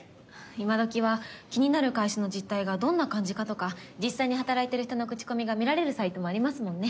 今どきは気になる会社の実態がどんな感じかとか実際に働いてる人の口コミが見られるサイトもありますもんね。